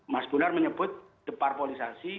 mas bunart menyebut deparpolisasi